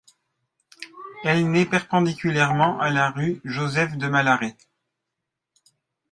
Elle naît perpendiculairement à la rue Joseph-de-Malaret.